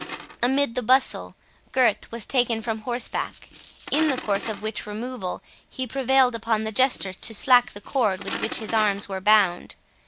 Amid the bustle, Gurth was taken from horseback, in the course of which removal he prevailed upon the Jester to slack the cord with which his arms were bound.